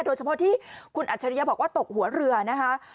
โดยเฉพาะที่คุณอัจฉริยะบอกว่าตกหัวเรือนะคะ